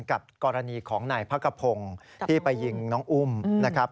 กับกรณีของนายพักกระพงศ์ที่ไปยิงน้องอุ้มนะครับ